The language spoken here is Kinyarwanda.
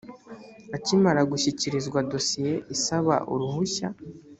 akimara gushyikirizwa dosiye isaba uruhushya